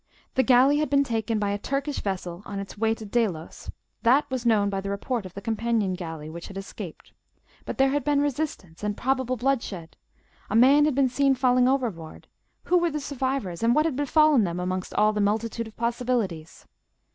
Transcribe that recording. The galley had been taken by a Turkish vessel on its way to Delos: that was known by the report of the companion galley, which had escaped. But there had been resistance, and probable bloodshed; a man had been seen falling overboard: who were the survivors, and what had befallen them amongst all the multitude of possibilities?